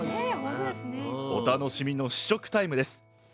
お楽しみの試食タイムです！